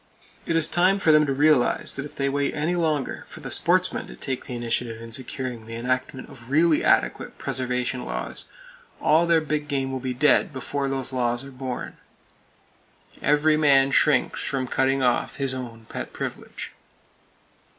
It is time for them to realize that if they wait any longer for the sportsmen to take the initiative in securing the enactment of really adequate preservation laws, all their big game will be dead before those laws are born! Every man shrinks from cutting off his own pet privilege.